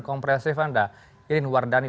kompresif anda irin wardani